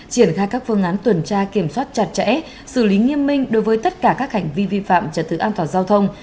triển khai các phương án tuần tra kiểm soát chặt chẽ xử lý nghiêm minh đối với tất cả các hành vi vi phạm trật tự an toàn giao thông